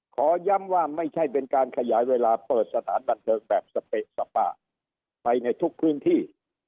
ขอย้ำว่าไม่ใช่เป็นการขยายเวลาเปิดสถานบันเทิงแบบสเปะสปาไปในทุกพื้นที่